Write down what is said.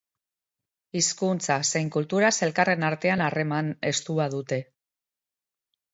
Hizkuntza zein kulturaz elkarren artean harreman estua dute.